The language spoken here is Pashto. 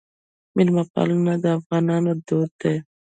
میلمه پالنه د افغانانو دود دی